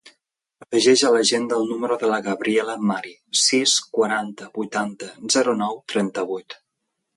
Afegeix a l'agenda el número de la Gabriela Mari: sis, quaranta, vuitanta, zero, nou, trenta-vuit.